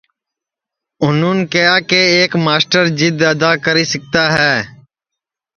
اُنُہون کیہیا کہ ایک مسٹر جِدؔ اِدؔا کری سِکتا ہے